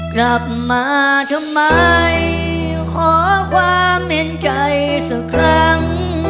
กลับมาทำไมขอความเห็นใจสักครั้ง